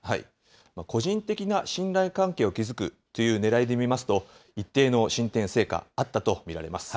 個人的な信頼関係を築くというねらいで見ますと、一定の進展、成果、あったと見られます。